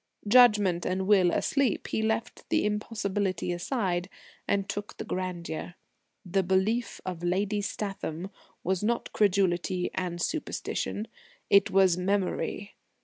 Judgment and will asleep, he left the impossibility aside, and took the grandeur. The Belief of Lady Statham was not credulity and superstition; it was Memory.